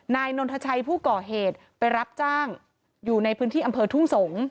นายนนทชัยผู้ก่อเหตุไปรับจ้างอยู่ในพื้นที่อำเภอทุ่งสงศ์